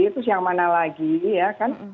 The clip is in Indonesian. terus yang mana lagi ya kan